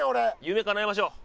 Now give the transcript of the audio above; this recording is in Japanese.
夢かなえましょう。